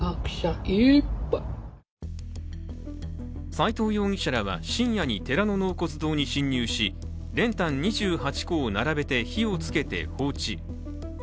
斉藤容疑者らは深夜に寺の納骨堂に侵入し練炭２８個を並べて火をつけて放置。